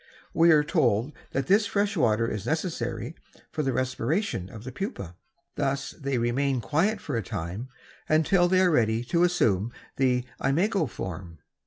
We are told that this fresh water is necessary for the respiration of the pupa. Thus they remain quiet for a time until they are ready to assume the imago form.